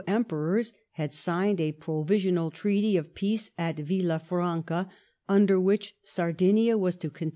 Emperors had signed a provisional treaty of peace at Villafranoa^ under which Sardinia was to con?